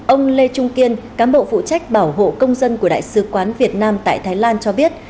ông lê trung kiên cám bộ phụ trách bảo hộ công dân của đại sứ quán việt nam tại thái lan cho biết